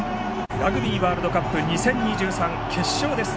ラグビーワールドカップ２０２３、決勝です。